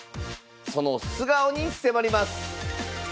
その素顔に迫ります